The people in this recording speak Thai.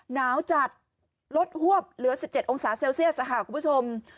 หนาวจัดลดหวบเหลือ๑๗องศาเซลเซียสค่ะคุณผู้ชม